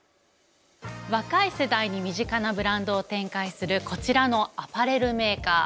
若い世代に身近なブランドを展開するこちらのアパレルメーカー。